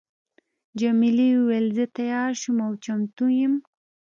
جميلې وويل: زه تیاره شوم او چمتو یم.